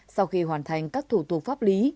sau khi hoàn thành các thủ tục pháp lý